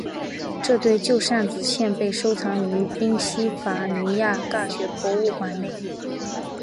这对旧扇子现被收藏于宾夕法尼亚大学博物馆内。